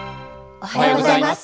おはようございます。